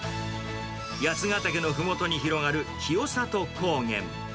八ヶ岳のふもとに広がる清里高原。